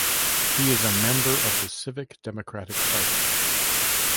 He is a member of the Civic Democratic Party.